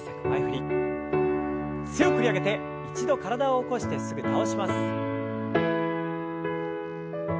強く振り上げて一度体を起こしてすぐ倒します。